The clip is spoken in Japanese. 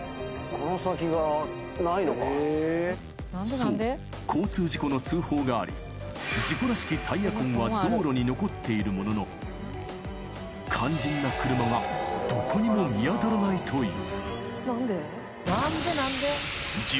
そう、交通事故の通報があり、事故らしきタイヤ痕は道路に残っているものの、肝心な車がどこにも見当たらないという。